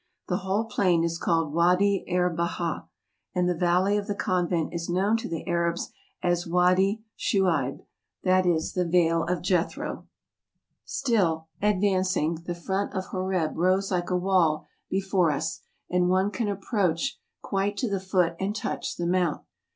The whole plain is called Wady er Bahah ; and the valley of the convent is known to the Arabs as Wady Shu'eib, that is, the vale of Jethro. Still MOUNT SINAI. 221 advancing, the front of Horeb rose like a wall before us; and one can approach quite to the foot and touch the mount.